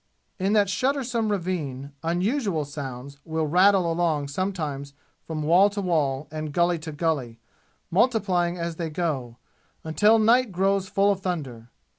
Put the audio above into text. In that shuddersome ravine unusual sounds will rattle along sometimes from wall to wall and gully to gully, multiplying as they go, until night grows full of thunder.